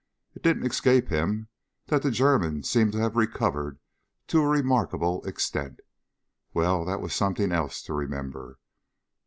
It didn't escape him that the German seemed to have recovered to a remarkable extent. Well, that was something else to remember.